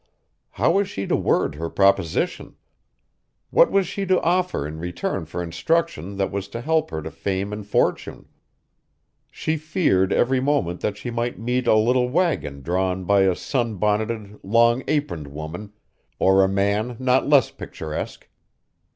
How was she to word her proposition? What was she to offer in return for instruction that was to help her to fame and fortune? She feared every moment that she might meet a little wagon drawn by a sunbonneted, long aproned woman, or a man not less picturesque.